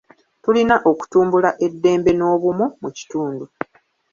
Tulina okutumbula eddembe n'obumu mu kitundu.